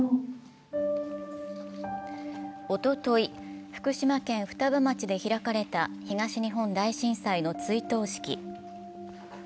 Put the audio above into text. おととい、福島県双葉町で開かれた東日本大震災の追悼式。